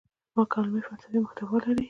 مکالمې فلسفي محتوا لري.